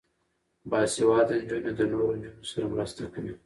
باسواده نجونې د نورو نجونو سره مرسته کوي.